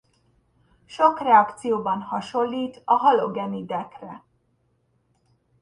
Sok reakcióban hasonlít a halogenidekre.